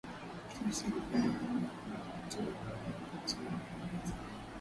fursa nyingi za vivutio vya bure nchini Uingereza